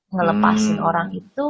ngelepasin orang itu